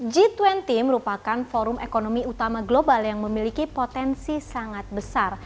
g dua puluh merupakan forum ekonomi utama global yang memiliki potensi sangat besar